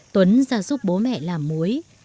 tuấn ra giúp bố mẹ làm muối